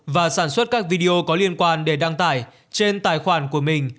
và sản xuất các video có liên quan để đăng tải trên tài khoản của mình